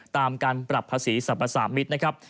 ตามการปรับภาษีสรรพสามิตรนะครับ